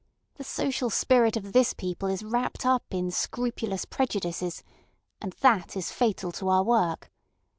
The social spirit of this people is wrapped up in scrupulous prejudices, and that is fatal to our work.